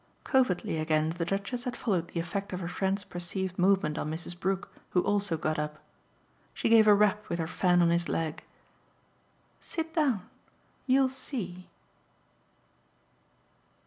Covertly again the Duchess had followed the effect of her friend's perceived movement on Mrs. Brook, who also got up. She gave a rap with her fan on his leg. "Sit down you'll see."